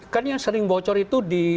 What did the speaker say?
kan yang sering bocor itu di